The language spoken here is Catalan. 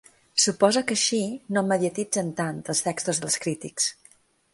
Suposo que així no em mediatitzen tant, els textos dels crítics.